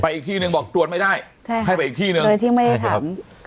อีกที่หนึ่งบอกตรวจไม่ได้ใช่ให้ไปอีกที่หนึ่งโดยที่ไม่ได้ถาม